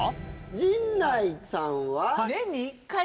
陣内さんは？